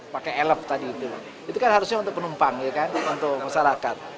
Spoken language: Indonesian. pake elef tadi itu kan harusnya untuk penumpang untuk masyarakat